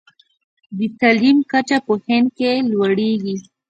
د تعلیم کچه په هند کې لوړیږي.